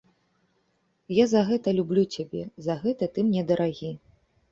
Я за гэта люблю цябе, за гэта ты мне дарагі.